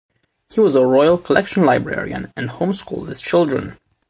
He was a Royal Collection librarian and homeschooled his children.